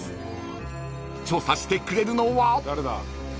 ［調査してくれるのは］